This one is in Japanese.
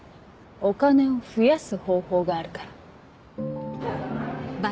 お金を増やす方法があるから。